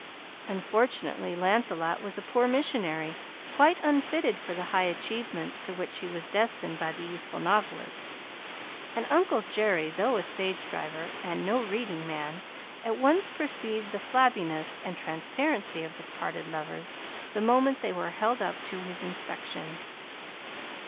Unfortunately Lancelot was a poor missionary, quite unfitted for the high achievements to which he was destined by the youthful novelist, and Uncle Jerry, though a stage driver and no reading man, at once perceived the flabbiness and transparency of the Parted Lovers the moment they were held up to his inspection.